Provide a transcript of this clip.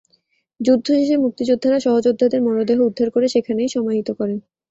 যুদ্ধ শেষে মুক্তিযোদ্ধারা সহযোদ্ধাদের মরদেহ উদ্ধার করে সেখানেই সমাহিত করেন।